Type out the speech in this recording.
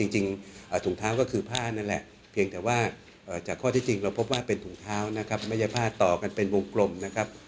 จริงถุงเท้าก็คือผ้านั่นแหละเพียงแต่ว่าจากข้อที่จริงเราพบว่าเป็นถุงเท้านะครับไม่ใช่ผ้าต่อกันเป็นวงกลมนะครับ